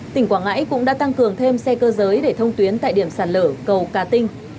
tỉnh quảng ngãi cũng đã tăng cường thêm xe cơ giới để thông tuyến tại điểm sạt lở cầu cà tinh